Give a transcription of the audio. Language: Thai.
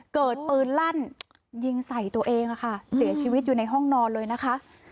เกิดปืนลั่นยิงใส่ตัวเองค่ะเสียชีวิตอยู่ในห้องนอนเลยนะคะ